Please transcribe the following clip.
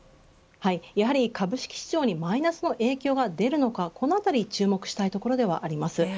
やはり株式市場にマイナスの影響が出るのかこのあたり注目したいところです。